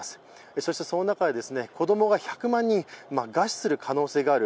そしてその中で子供が１００万人餓死する可能性がある。